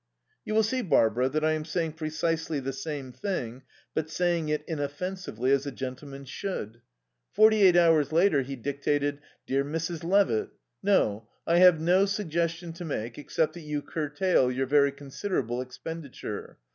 "You will see, Barbara, that I am saying precisely the same thing, but saying it inoffensively, as a gentleman should." Forty eight hours later he dictated: "'DEAR MRS. LEVITT: "'No: I have no suggestion to make except that you curtail your very considerable expenditure.